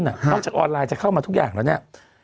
นอกจากออนไลน์จะเข้ามาทุกอย่างแล้วเนี่ย